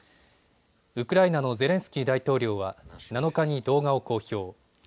ウクライナのゼレンスキー大統領は７日に動画を公表。